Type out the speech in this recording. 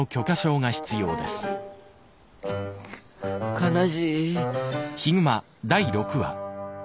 悲しい。